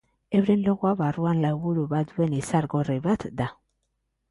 Euren logoa barruan lauburu bat duen izar gorri bat da.